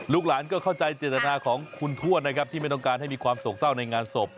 หลานก็เข้าใจเจตนาของคุณทวดนะครับที่ไม่ต้องการให้มีความโศกเศร้าในงานศพ